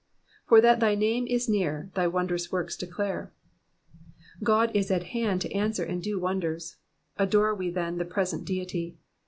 ''For that thy name in near thy teondrovs tcarJrs declare.'''* God is at hand to answer and do wonders ^adore we then the present Deity.